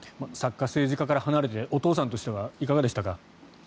作家、政治家から離れてお父さんとしてはいかがでしたか？